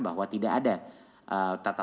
bahwa tidak ada tata